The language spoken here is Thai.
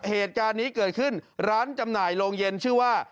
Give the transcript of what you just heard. เหตุการณ์นี้เกิดขึ้นร้านจำหน่ายโรงเย็นชื่อว่า